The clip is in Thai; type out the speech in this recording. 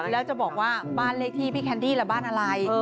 แล้วจะบอกว่าบ้านเลขที่พี่แคนดี้ล่ะบ้านอะไร